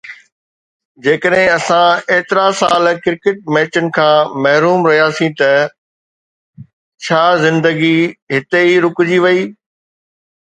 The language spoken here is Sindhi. جيڪڏهن اسان ايترا سال ڪرڪيٽ ميچن کان محروم رهياسين ته ڇا زندگي هتي ئي رڪجي وئي؟